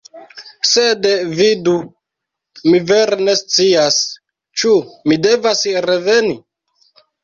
Sed vidu, mi vere ne scias, ĉu mi devas reveni?